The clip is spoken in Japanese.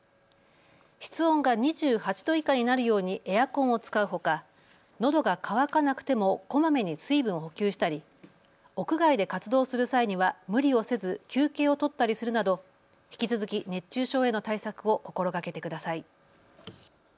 室温が２８度以下になるようにエアコンを使うほか、のどが渇かなくてもこまめに水分を補給したり屋外で活動する際には無理をせず休憩を取ったりするなど引き続き熱中症への対策を心がけてください。